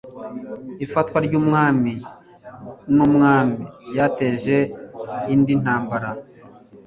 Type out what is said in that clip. Ifatwa ry'umwami n'umwami ryateje indi ntambara.